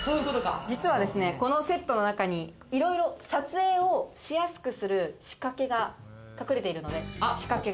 実はこのセットの中に撮影をしやすくする仕掛けが隠れているので。